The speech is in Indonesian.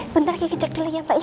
bentar kiki cek dulu ya mbak ya